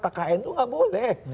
kkn tuh nggak boleh